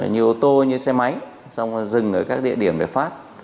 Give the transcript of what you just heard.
nhiều ô tô như xe máy xong dừng ở các địa điểm để phát